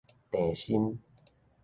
鄭森